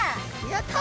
やった！